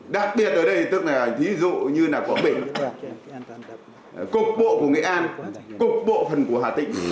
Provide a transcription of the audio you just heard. đặc biệt ở đây tức là ví dụ như quảng bình cục bộ của nghệ an cục bộ phần của hà tịnh